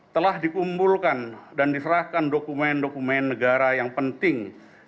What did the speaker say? telah dikumpulkan dan diserahkan dokumen dokumen negara yang penting